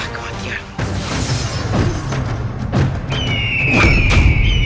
raja ibu nda